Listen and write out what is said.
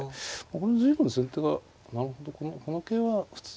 これ随分先手がなるほどこの桂は普通。